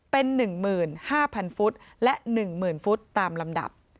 เป็น๑๕๐๐ฟุตและ๑๐๐๐ฟุตตามลำดับ